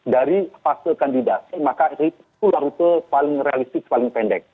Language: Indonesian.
dari fase kandidasi maka itulah rute paling realistik paling pendek